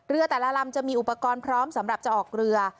เรือแต่ละลำจะมีอุปกรณ์พร้อมสำหรับจะออกเรือ